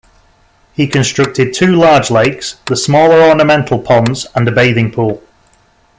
He constructed two large lakes, the smaller ornamental ponds and a bathing pool.